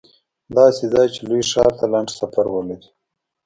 داسې ځای چې لوی ښار ته لنډ سفر ولري